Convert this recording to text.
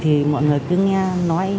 thì mọi người cứ nghe nói